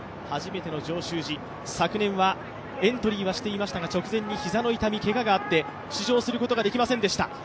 初めての上州路、昨年はエントリーはしていましたが直前に膝の痛み、けががあって出場することができませんでした、